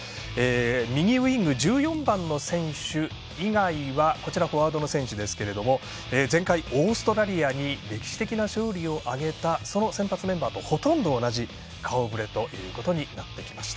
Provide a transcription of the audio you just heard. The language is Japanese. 右ウイング、１４番の選手以外は前回オーストラリアに歴史的な勝利を挙げたその先発メンバーとほとんど同じ顔ぶれということなってきました。